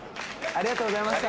ありがとうございます